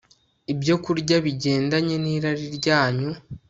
ibyokurya bigendanye nirari ryanyu